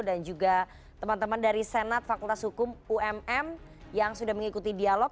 dan juga teman teman dari senat fakultas hukum umm yang sudah mengikuti dialog